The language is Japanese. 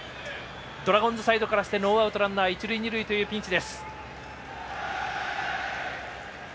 ドラゴンズサイドからしてノーアウト、ランナー一塁二塁というピンチ。